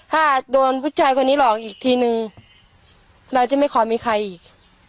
ถ้าโดนผู้ชายคนนี้หลอกอีกทีนึงเราจะไม่ขอมีใครอีก